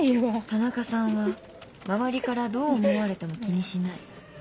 田中さんは周りからどう思われても気にしない